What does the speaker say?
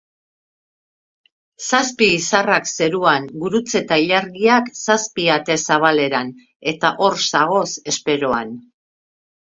Zazpi izarrak zeruan, gurutze ta ilargiak zazpi ate zabaleran eta hor zagoz esperoan